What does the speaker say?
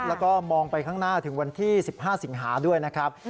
แล้วก็มองไปข้างหน้าถึงวันที่๑๕สิงหาด้วยนะครับ